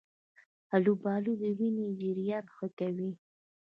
آلوبالو د وینې جریان ښه کوي.